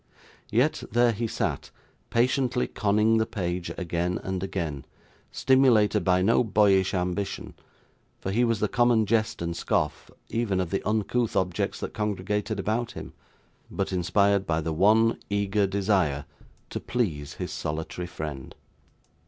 Yet there he sat, patiently conning the page again and again, stimulated by no boyish ambition, for he was the common jest and scoff even of the uncouth objects that congregated about him, but inspired by the one eager desire to please his solitary friend.